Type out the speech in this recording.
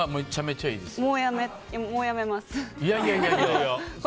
もうやめます。